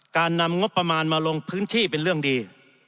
การนำงบประมาณมาลงพื้นที่เป็นเรื่องดี